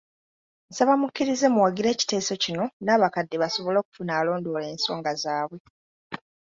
Nsaba mukkirize muwagire ekiteeso kino n’abakadde basobole okufuna alondoola ensonga zaabwe.